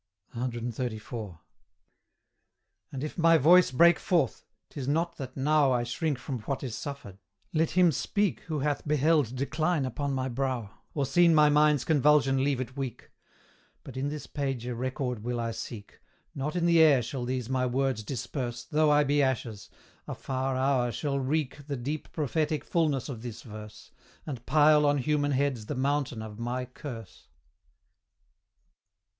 CXXXIV. And if my voice break forth, 'tis not that now I shrink from what is suffered: let him speak Who hath beheld decline upon my brow, Or seen my mind's convulsion leave it weak; But in this page a record will I seek. Not in the air shall these my words disperse, Though I be ashes; a far hour shall wreak The deep prophetic fulness of this verse, And pile on human heads the mountain of my curse!